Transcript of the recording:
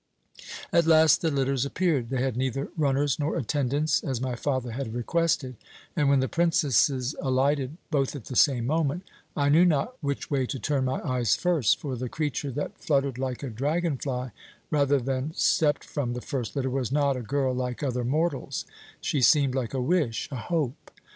"At last the litters appeared; they had neither runners nor attendants, as my father had requested, and when the princesses alighted both at the same moment I knew not which way to turn my eyes first, for the creature that fluttered like a dragon fly rather than stepped from the first litter, was not a girl like other mortals she seemed like a wish, a hope.